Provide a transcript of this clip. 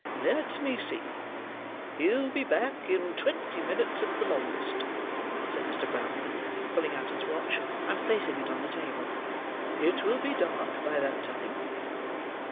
"Let me see; he'll be back in twenty minutes, at the longest," said Mr. Brownlow, pulling out his watch, and placing it on the table. "It will be dark by that time."